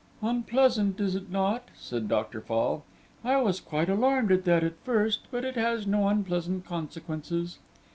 "Unpleasant, is it not?" said Dr. Fall. "I was quite alarmed at that at first, but it has no unpleasant consequences."